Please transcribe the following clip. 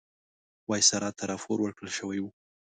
وایسرا ته راپور ورکړل شوی وو.